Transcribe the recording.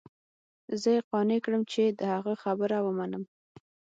زه يې قانع كړم چې د هغه خبره ومنم.